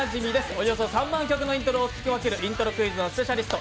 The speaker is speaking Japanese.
およそ３万曲のイントロを聞き分けるイントロクイズのスペシャリスト